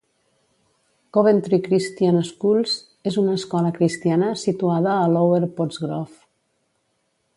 Coventry Christian Schools és una escola cristiana situada a Lower Pottsgrove.